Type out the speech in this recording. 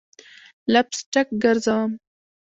لپ سټک ګرزوم